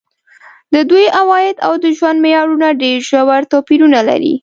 د دوی عواید او د ژوند معیارونه ډېر ژور توپیرونه لري.